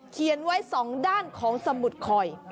เขียนไว้๒ด้านของสมุดคอย